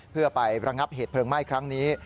เพื่อไประงับเหตุเพลิงไหม้ครั้งนี้